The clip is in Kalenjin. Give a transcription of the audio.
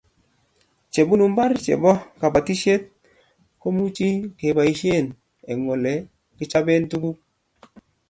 chebunu mbar chebo kabatishiet komuchi kebaishen eng' ole kichaben tuguk